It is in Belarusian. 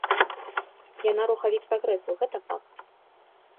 Яна рухавік прагрэсу, гэта факт.